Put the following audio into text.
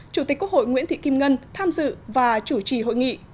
chủ tịch quốc hội nguyễn thị kim ngân tham dự và chủ trì hội nghị